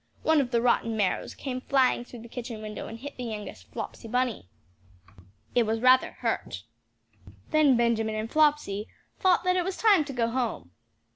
One of the rotten marrows came flying through the kitchen window, and hit the youngest Flopsy Bunny. It was rather hurt. Then Benjamin and Flopsy thought that it was time to go home.